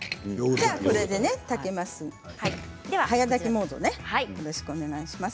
これで炊きます。